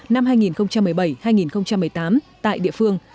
năm hai nghìn một mươi bảy hai nghìn một mươi tám tại địa phương